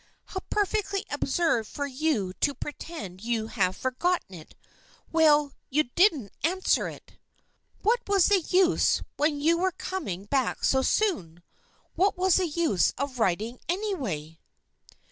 " How perfectly absurd for you to pretend you have forgotten it. Well, you didn't answer it." " What was the use when you were coming back so soon? What was the use of writing anyway?"